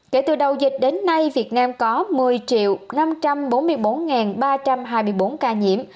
kể từ đầu dịch đến nay việt nam có một mươi năm trăm bốn mươi bốn ba trăm hai mươi bốn ca nhiễm